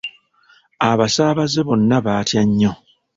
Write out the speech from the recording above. Abasaabaze bonna baatya nnyo.